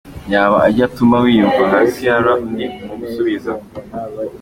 yaba ajya atuma wiyumva nka Ciara?” undi mu gusubiza